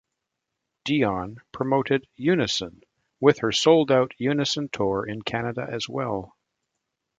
Dion promoted "Unison" with her sold-out Unison Tour in Canada as well.